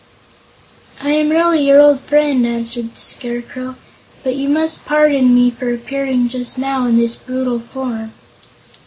"I am really your old friend," answered the Scarecrow; "but you must pardon me for appearing just now in this brutal form."